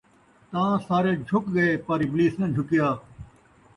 تاں سارے جُھک ڳئے پر اِبلیس نہ جُھکیا۔